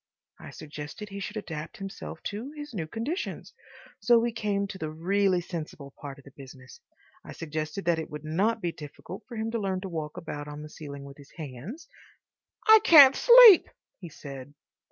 I suggested he should adapt himself to his new conditions. So we came to the really sensible part of the business. I suggested that it would not be difficult for him to learn to walk about on the ceiling with his hands— "I can't sleep," he said.